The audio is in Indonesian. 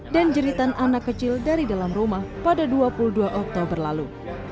dan jeritan anak kecil dari dalam rumah pada dua puluh dua oktober lalu